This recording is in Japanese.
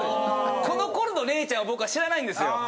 ・この頃の怜ちゃんを僕は知らないんですよ。